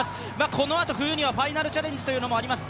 このあと冬にはファイナルチャレンジというのもあります。